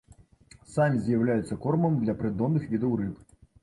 Самі з'яўляюцца кормам для прыдонных відаў рыб.